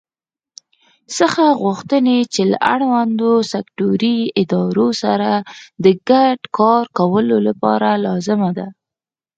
څخه غوښتي چې له اړوندو سکټوري ادارو سره د ګډ کار کولو لپاره لازمه